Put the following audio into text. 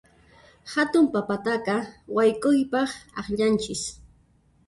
Hatun papataqa wayk'upaq akllananchis.